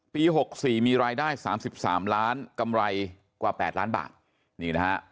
๖๔มีรายได้๓๓ล้านกำไรกว่า๘ล้านบาทนี่นะฮะ